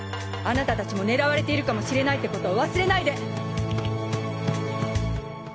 あなた達も狙われているかもしれないってことを忘れないで！